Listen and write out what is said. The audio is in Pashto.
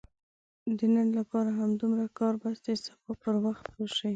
د نن لپاره همدومره کار بس دی، سبا پر وخت راشئ!